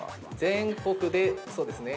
◆全国でそうですね。